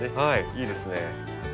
いいですね。